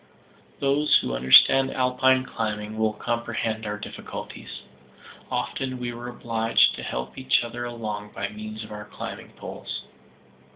Those who understand Alpine climbing will comprehend our difficulties. Often we were obliged to help each other along by means of our climbing poles.